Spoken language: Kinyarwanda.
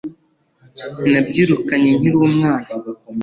nabyirukanye nkili umwana